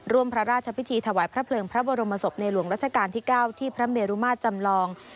ร่วมพระราชพิธีถวายพระเพลิงพระบรมศพในหลวงรัชกาลที่๙ที่พระเมรุมาตรจำลอง